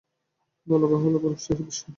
বলাবাহুল্য, অপরূপ সে দৃশ্য।